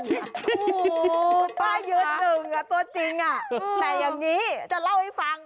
โอ้โหป้ายืนหนึ่งตัวจริงแต่อย่างนี้จะเล่าให้ฟัง